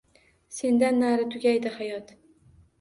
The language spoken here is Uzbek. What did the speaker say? Sendan nari tugaydi hayot